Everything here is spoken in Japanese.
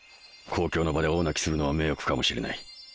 公共の場で大泣きするのは迷惑かもしれない。